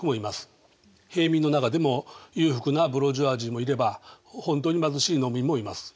平民の中でも裕福なブルジョワジーもいれば本当に貧しい農民もいます。